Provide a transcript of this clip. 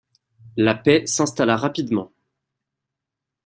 La paix s'installa rapidement.